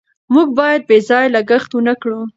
موږ باید بې ځایه لګښت ونکړو.